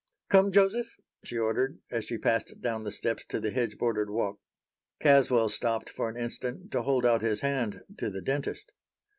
"Come, Joseph," she ordered, as she passed down the steps to the hedge bordered walk. Caswell stopped for an instant to hold out his hand to the dentist.